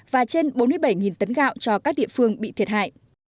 và trên bốn mươi bảy tấn gạo cho các địa phương bị thiệt hại